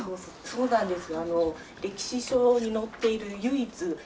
そうなんです。